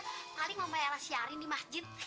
paling mama ella siarin di masjid